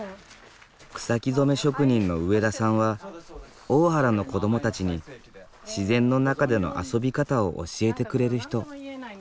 草木染め職人の上田さんは大原の子どもたちに自然の中での遊び方を教えてくれる人。